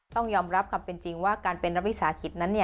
ต้องยอมรับความเป็นจริงว่าการเป็นนักวิสาหกิจนั้น